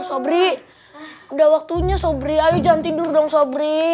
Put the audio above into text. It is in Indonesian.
sobri udah waktunya sobri ayo jangan tidur dong sobri